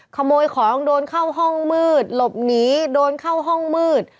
ขโมยของโดนเข้าห้องมืดหลบหนีโดนเข้าห้องมืด